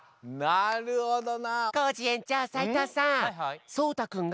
なるほど。